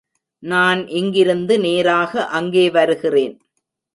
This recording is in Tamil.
நான் இங்கிருந்து நேராக அங்கே வருகிறேன்.